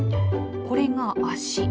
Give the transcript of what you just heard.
これが足。